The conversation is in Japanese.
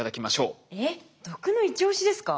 えっ毒のイチオシですか？